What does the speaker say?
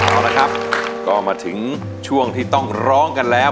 เอาละครับก็มาถึงช่วงที่ต้องร้องกันแล้ว